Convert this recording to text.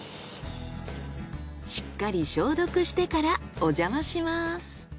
しっかり消毒してからおじゃまします。